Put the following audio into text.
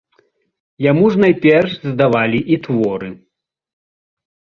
Яму ж найперш здавалі і творы.